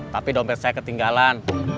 tapi dompet saya ketinggalan